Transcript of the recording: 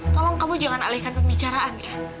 tolong kamu jangan alihkan pembicaraan ya